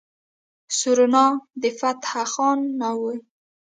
سورنا د فتح خان نه وي.